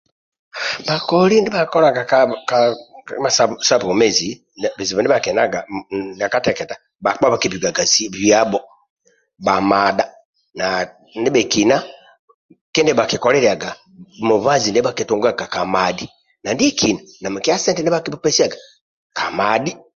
Bhakoli ndibhakikolaga ka ka kima sabwomezi bizibu ndibhakyenaga ndia keteketa bhakpa bhakibikaga bhesiyabho nibhamadha na ndibhekina kidia bhakikoliliyaga mubazi ndibhakitugaga akibhaga ndia kamadhi na ndiakina namikia sente ndibhakibhupesiyaga kamadhi